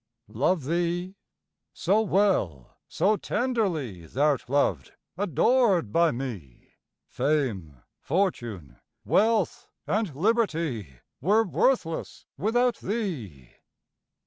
Love thee? so well, so tenderly Thou'rt loved, adored by me, Fame, fortune, wealth, and liberty, Were worthless without thee.